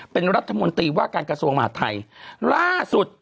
เป็นรัฐมนตรีว่าการกระทรวงมหาดไทยล่าสุด